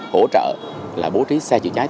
hỗ trợ là bố trí xe chữa cháy